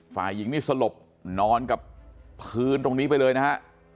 ฝ่ายหญิงนี่สลบนอนกับพื้นตรงนี้ไปเลยนะฮะ